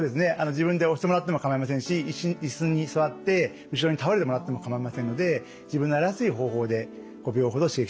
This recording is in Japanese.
自分で押してもらっても構いませんしイスに座って後ろに倒れてもらっても構いませんので自分のやりやすい方法で５秒ほど刺激してみてください。